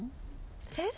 えっ？